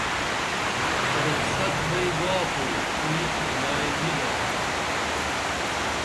روخصت بئی گا خو اینش ملائی نی گا